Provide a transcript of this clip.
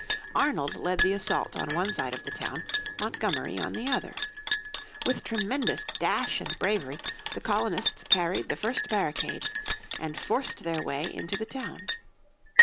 Arnold led the assault on one side of the town, Montgomery on the other. With tremendous dash and bravery the colonists carried the first barricades, and forced their way into the town.